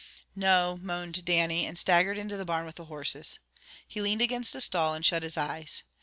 "No," moaned Dannie, and staggered into the barn with the horses. He leaned against a stall, and shut his eyes.